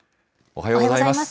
おはようございます。